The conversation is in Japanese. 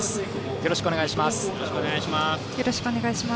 よろしくお願いします。